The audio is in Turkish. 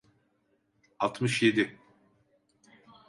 Altmış yedi.